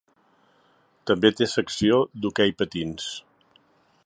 També té secció d'hoquei patins.